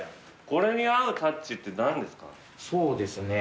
これに合うタッチって何ですか？